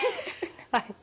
はい。